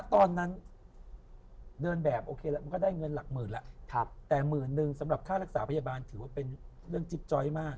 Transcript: ตอนนั้นเดินแบบโอเคแล้วมันก็ได้เงินหลักหมื่นแล้วแต่หมื่นนึงสำหรับค่ารักษาพยาบาลถือว่าเป็นเรื่องจิ๊บจ้อยมาก